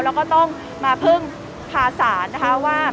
แล้วก็ต้องมาพึ่งพาสารว่า